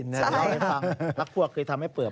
นักพวกเคยทำให้เปลือก